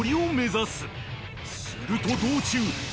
［すると道中］